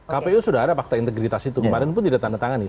kpu sudah ada fakta integritas itu kemarin pun tidak tanda tangan nih